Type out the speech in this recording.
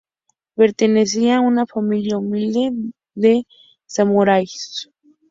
Pertenecía a una familia humilde de samuráis.